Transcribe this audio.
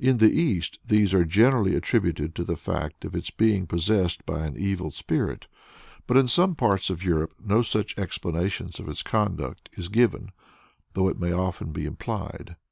In the East these are generally attributed to the fact of its being possessed by an evil spirit, but in some parts of Europe no such explanation of its conduct is given, though it may often be implied.